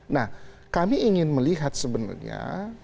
nah kami ingin melihat sebenarnya